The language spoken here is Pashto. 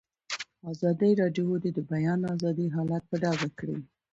ازادي راډیو د د بیان آزادي حالت په ډاګه کړی.